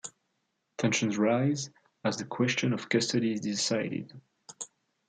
Tensions rise as the question of custody is decided.